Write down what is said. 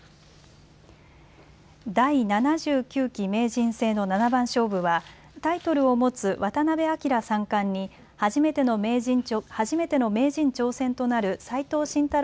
第７９期名人戦の７番勝負はタイトルを持つ渡辺明三冠に初めての名人挑戦となる斎藤慎太郎